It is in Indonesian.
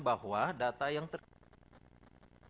bahwa data yang terkait